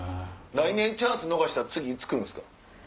来年チャンス逃したら次いつ来るんすか？